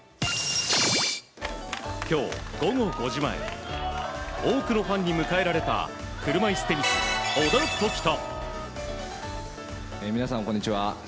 今日午後５時前多くのファンに迎えられた車いすテニス、小田凱人。